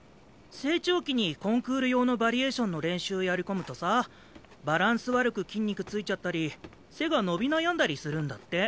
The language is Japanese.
成長期にコンクール用のバリエーションの練習をやり込むとさバランス悪く筋肉付いちゃったり背が伸び悩んだりするんだって。